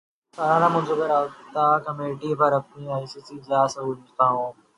سالانہ منصوبہ رابطہ کمیٹی اے پی سی سی کا اجلاس گزشتہ روز ہوا